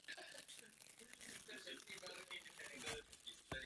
Při volném lezení je použití technických pomůcek omezeno na jištění pro případ pádu.